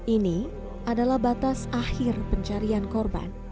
ini adalah batas akhir pencarian korban